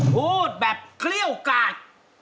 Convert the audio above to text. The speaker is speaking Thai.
พูดแบบเครี่ยวการ